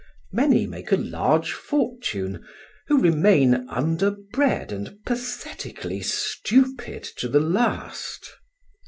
Many make a large fortune, who remain underbred and pathetically stupid to the last.